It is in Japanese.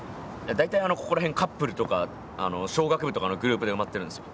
大体ここら辺カップルとか商学部とかのグループで埋まってるんですよ。